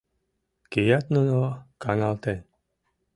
Кият нуно, каналтен